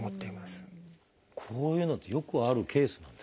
こういうのってよくあるケースなんですか？